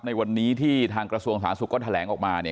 ในวันนี้ที่ทางกระทรวงสาธารณสุขก็แถลงออกมาเนี่ย